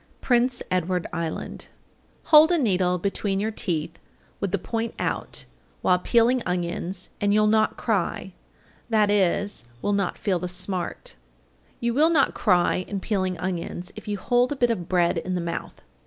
Prince Edward Island. 861. Hold a needle between your teeth with the point out, while peeling onions, and you'll not cry, i.e., will not feel the smart. 862. You will not cry in peeling onions if you hold a bit of bread in the mouth.